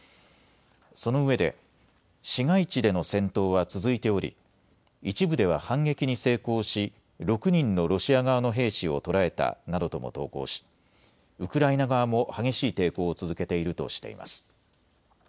そのうえで市街地での戦闘は続いており一部では反撃に成功し６人のロシア側の兵士を捕らえたなどとも投稿しウクライナ側も激しい抵抗を続けているとしています。